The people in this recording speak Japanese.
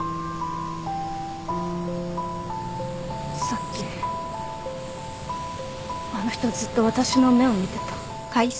さっきあの人ずっと私の目を見てた。